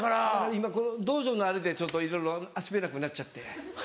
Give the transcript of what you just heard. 今この銅像のあれでちょっといろいろ遊べなくなっちゃって。